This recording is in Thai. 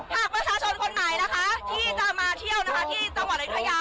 หากประชาชนคนนายนะคะที่จะมาเที่ยวที่จังหวัดภศรียาค่ะ